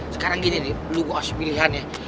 sekarang gini nih lu gue asli pilihan ya